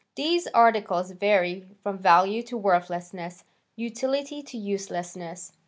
These articles vary from value to worthlessness, utility to uselessness.